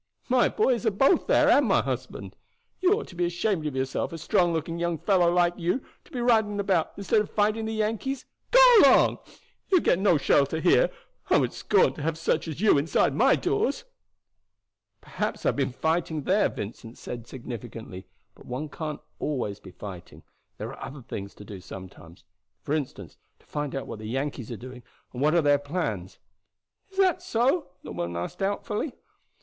My boys are both there and my husband. You ought to be ashamed of yourself, a strong looking young fellow like you, to be riding about instead of fighting the Yankees. Go along! you will get no shelter here. I would scorn to have such as you inside my doors." "Perhaps I have been fighting there," Vincent said significantly. "But one can't be always fighting, and there are other things to do sometimes. For instance, to find out what the Yankees are doing and what are their plans." "Is that so?" the woman asked doubtfully.